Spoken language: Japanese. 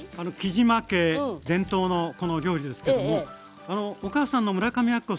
杵島家伝統のこの料理ですけどもお母さんの村上昭子さん